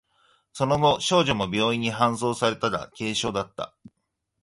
その後、少女も病院に搬送されたが、軽傷だった。